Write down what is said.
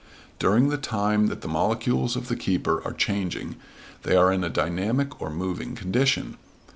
During the time that the molecules of the keeper are changing they are in a dynamic or moving condition.